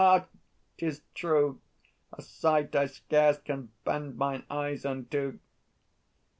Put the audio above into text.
Ah! 'Tis true; A sight I scarce can bend mine eyes unto.